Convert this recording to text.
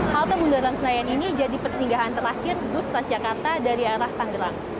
halte bundaran senayan ini jadi persinggahan terakhir bus transjakarta dari arah tanggerang